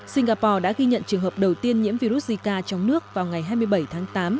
singapore đã ghi nhận trường hợp đầu tiên nhiễm virus zika trong nước vào ngày hai mươi bảy tháng tám